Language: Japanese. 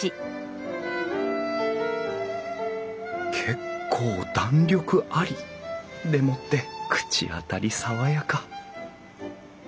結構弾力あり。でもって口当たり爽やか！